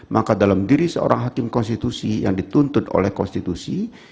maka dalam diri seorang hakim konstitusi yang dituntut oleh konstitusi